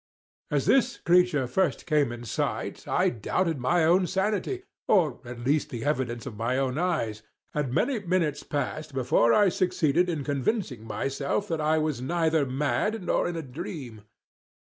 As this creature first came in sight, I doubted my own sanity—or at least the evidence of my own eyes; and many minutes passed before I succeeded in convincing myself that I was neither mad nor in a dream.